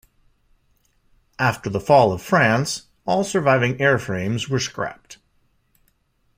After the fall of France, all surviving airframes were scrapped.